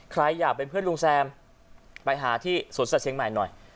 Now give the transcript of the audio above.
ใครอยากเป็นเพื่อนลุงแซมไปหาที่สวนสัตว์เชียงใหม่หน่อย